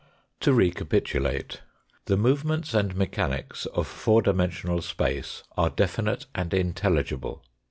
To recapitulate : The movements and mechanics of four dimensional space are definite and intelligible.